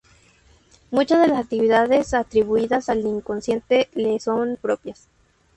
Muchas de las actividades atribuidas al inconsciente le son propias.